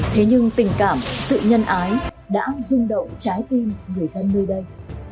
thế nhưng tình cảm sự nhân ái đã rung động trái tim người dân nơi đây